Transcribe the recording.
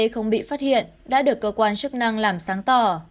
không bị phát hiện đã được cơ quan chức năng làm sáng tỏ